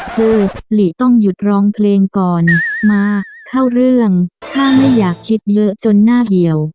คือหลีต้องหยุดร้องเพลงก่อนมาเข้าเรื่องถ้าไม่อยากคิดเยอะจนหน้าเหี่ยว